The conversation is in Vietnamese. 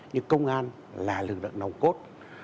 như công an là lực lượng nồng cốt